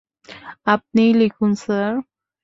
আপনিই লিখুন, স্যার।